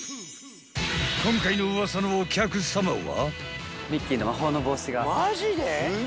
今回の「ウワサのお客さま」は。